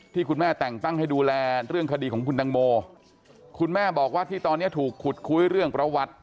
คุณแม่แต่งตั้งให้ดูแลเรื่องคดีของคุณตังโมคุณแม่บอกว่าที่ตอนนี้ถูกขุดคุยเรื่องประวัติ